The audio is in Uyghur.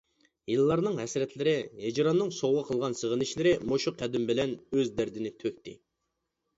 يىللارنىڭ ھەسرەتلىرى، ھىجراننىڭ سوۋغا قىلغان سېغىنىشلىرى مۇشۇ قەدىم بىلەن ئۆز دەردىنى تۆكتى!